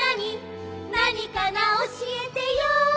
「なにかな？教えてよ！」